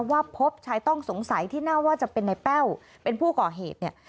พบชายต้องสงสัยที่น่าว่าจะเป็นในแป้วเป็นผู้ก่อเหตุเนี่ย